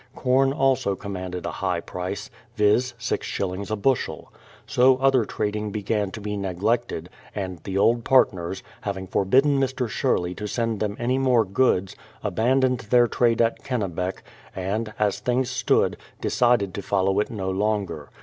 Corn also commanded a high price, viz., six shillings a bushel. So other trading began to be neglected, and the old partners, having forbidden Mr. Sherley to send them any more goods, abandoned their trade at Kennebec, and, as things stood, decided to follow it no longer.